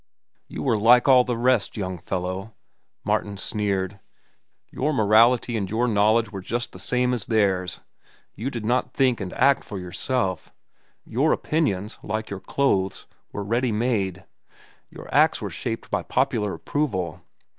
"You were like all the rest, young fellow," Martin sneered. "Your morality and your knowledge were just the same as theirs. You did not think and act for yourself. Your opinions, like your clothes, were ready made; your acts were shaped by popular approval.